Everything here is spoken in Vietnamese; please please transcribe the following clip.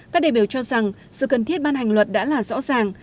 các đại biểu cho rằng sự cần thiết ban hành luật đã là rõ ràng